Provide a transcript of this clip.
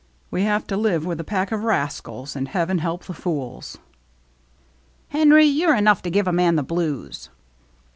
We have to live with a pack of rascals, and heaven help the fools !"" Henry, you're enough to give a man the blues."